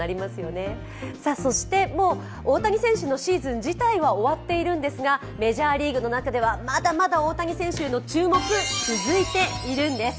そして、大谷選手のシーズン自体は終わっているんですがメジャーリーグの中ではまだまだ大谷選手への注目、続いているんです。